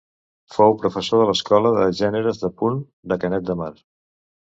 Fou professor de l’Escola de Gèneres de Punt de Canet de Mar.